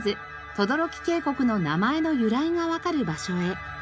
等々力渓谷の名前の由来がわかる場所へ。